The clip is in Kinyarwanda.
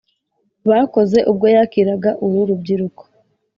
Bakoze ubwo yakiraga uru rubyiruko